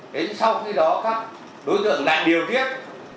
đến sau khi đó các đối tượng lại điều tiết